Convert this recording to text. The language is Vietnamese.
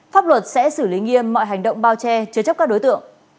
pháp luật sẽ xử lý nghiêm mọi hành động bao che chứa chấp các đối tượng